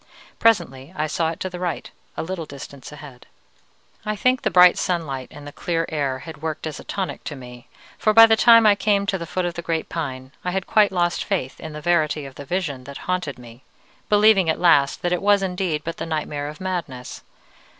Presently I saw it to the right, a little distance ahead. "I think the bright sunlight and the clear air had worked as a tonic to me, for by the time I came to the foot of the great pine, I had quite lost faith in the verity of the vision that haunted me, believing at last that it was indeed but the nightmare of madness.